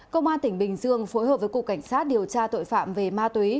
công an tỉnh bình dương phối hợp với cục cảnh sát điều tra tội phạm về ma túy